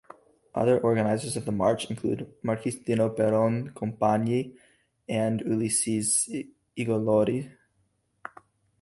Other organizers of the march included the Marquis Dino Perrone Compagni and Ulisse Igliori.